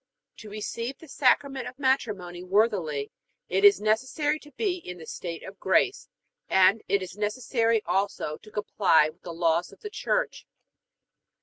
To receive the Sacrament of Matrimony worthily it is necessary to be in the state of grace, and it is necessary also to comply with the laws of the Church.